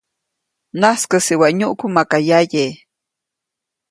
-Najskäsi waʼa nyuʼku maka yaye.-